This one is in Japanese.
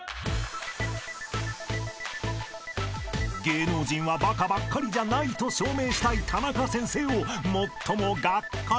［芸能人はバカばっかりじゃないと証明したいタナカ先生を最もがっかりさせたのは？］